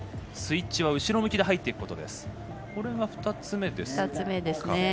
スイッチは後ろ向きで入っていくことですね。